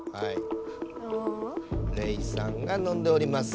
レイさんが飲んでおります。